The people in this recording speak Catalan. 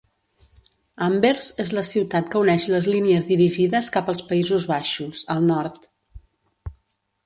Anvers és la ciutat que uneix les línies dirigides cap als Països Baixos, al nord.